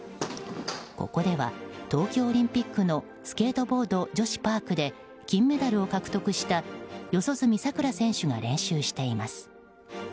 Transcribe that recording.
ここでは、東京オリンピックのスケートボード女子パークで金メダルを獲得した四十住さくら選手が練習しています。